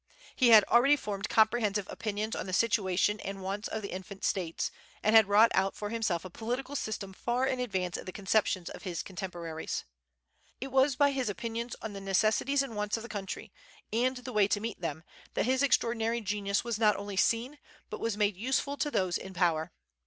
He had "already formed comprehensive opinions on the situation and wants of the infant States, and had wrought out for himself a political system far in advance of the conceptions of his contemporaries." It was by his opinions on the necessities and wants of the country, and the way to meet them, that his extraordinary genius was not only seen, but was made useful to those in power.